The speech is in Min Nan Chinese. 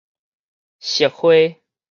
熟花